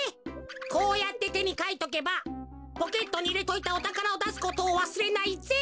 こうやっててにかいとけばポケットにいれといたおたからをだすことをわすれないぜ！